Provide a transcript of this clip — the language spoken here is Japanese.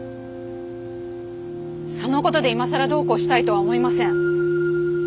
そのことで今更どうこうしたいとは思いません。